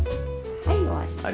はい終わり。